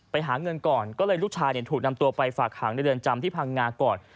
ไปหาเงินก่อนก็เลยลูกชายถูกนำตัวไปฝากหางในเรือนจำที่พังงาก่อน